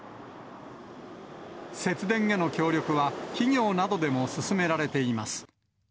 節電への協力は企業などでも進められています。